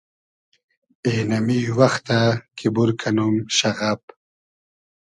اېنئمی وئختۂ کی بور کئنوم شئغئب